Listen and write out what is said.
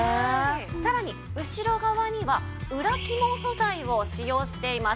さらに後ろ側には裏起毛素材を使用しています。